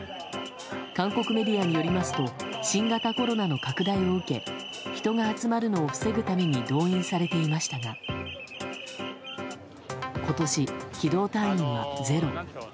韓国メディアによりますと新型コロナの拡大を受け人が集まるのを防ぐために動員されていましたが今年、機動隊員はゼロ。